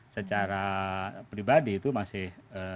secara pribadi itu masih